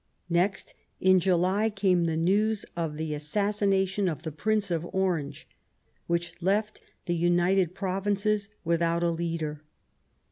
Next, in July, came the news of the assassination of the Prince of Orange, which left the United Provinces without a leader.